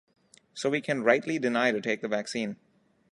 So we can rightly deny to take the vaccine.